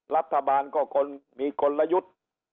รัฐบาลก็มีคนละยุทธ์